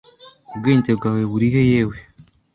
Ubwenge bwawe burihe yewe?